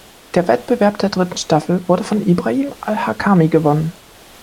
Der Wettbewerb der dritten Staffel wurde von Ibrahim al-Hakami gewonnen.